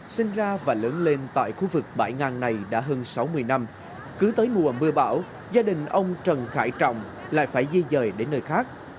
sinh ra và lớn lên tại khu vực bãi ngang này đã hơn sáu mươi năm cứ tới mùa mưa bão gia đình ông trần khải trọng lại phải di dời đến nơi khác